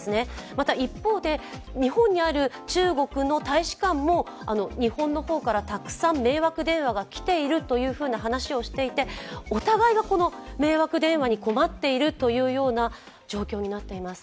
また一方で、日本にある中国の大使館も日本の方からたくさん迷惑電話が来ているという話をしていてお互いが迷惑電話に困っているという状況になっています。